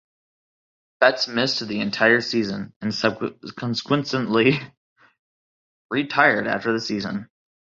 Betts missed the entire season and subsequently retired after the season.